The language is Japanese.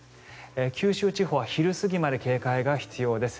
九州地方は昼過ぎまで警戒が必要です。